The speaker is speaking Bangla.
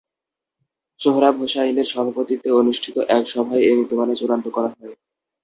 সোহরাব হোসাইনের সভাপতিত্বে অনুষ্ঠিত এক সভায় এ নীতিমালা চূড়ান্ত করা হয়।